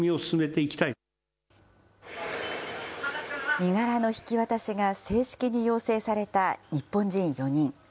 身柄の引き渡しが正式に要請された日本人４人。